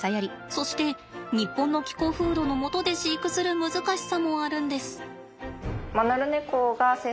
そして日本の気候風土のもとで飼育する難しさもあるんです。